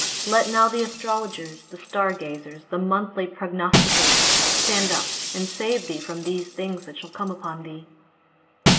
Let now the astrologers, the stargazers, the monthly prognosticators, stand up, and save thee from these things that shall come upon thee.